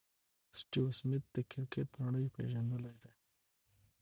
سټیو سميټ د کرکټ نړۍ پېژندلی دئ.